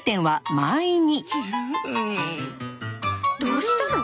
どうしたの？